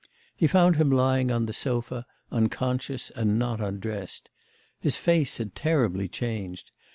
He found him lying on the sofa, unconscious and not undressed. His face was terribly changed.